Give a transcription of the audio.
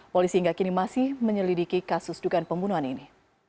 polisi hingga kini masih menyelidiki kasus dugaan pembunuhan ini